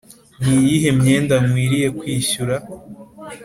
Ni iyihe myenda nkwiriye kwishyura